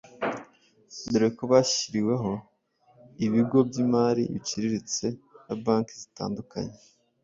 dore ko bashyiriweho ibigo by’imari biciriritse na banki zitandukanye.